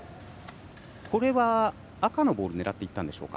これは赤のボールを狙っていったんでしょうか。